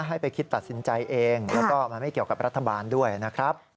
ให้ไปคิดตัดสินใจเองแล้วก็มันไม่เกี่ยวกับรัฐบาลด้วยนะครับ